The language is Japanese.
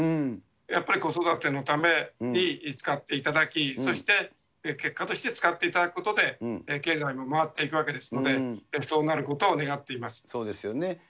やっぱり子育てのために使っていただき、そして結果として使っていただくことで、経済も回っていくわけですので、そうなることを願っています。